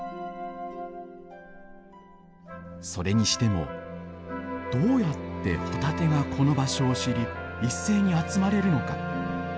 それにしてもどうやってホタテがこの場所を知り一斉に集まれるのか。